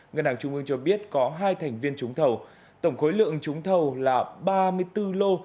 ngân hàng trung ương cho biết có hai thành viên trúng thầu tổng khối lượng trúng thầu là ba mươi bốn lô